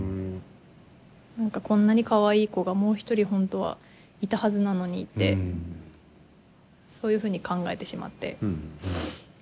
何かこんなにかわいい子がもう一人本当はいたはずなのにってそういうふうに考えてしまって。